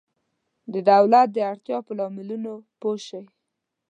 د دولت د اړتیا په لاملونو پوه شئ.